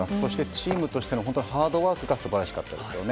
チームとしてのハードワークが素晴らしかったですよね。